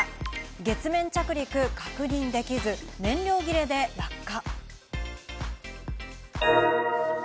月面着陸確認できず、燃料切れで落下。